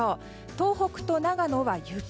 東北と長野は雪。